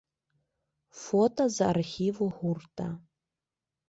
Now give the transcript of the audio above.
Фота з архіву гурта.